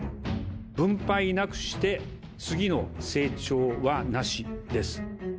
分配なくして、次の成長はなしです。